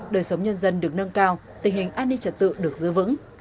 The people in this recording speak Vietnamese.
đời sống nhân dân được nâng cao tình hình an ninh trật tự được giữ vững